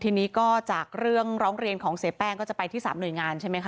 ทีนี้ก็จากเรื่องร้องเรียนของเสียแป้งก็จะไปที่๓หน่วยงานใช่ไหมคะ